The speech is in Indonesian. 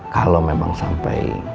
kalau memang sampai